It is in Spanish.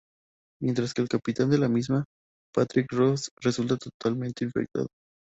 Mientras que el capitán de la misión, Patrick Ross, resulta totalmente infectado.